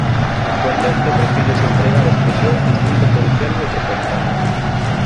Actualmente prefírese empregar a expresión "Distrito Policial Metropolitano".